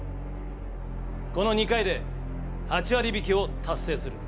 この２回で８割引きを達成する。